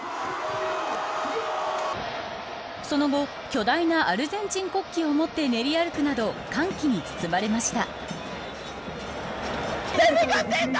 その後、巨大なアルゼンチン国旗を持って練り歩くなど歓喜に包まれました。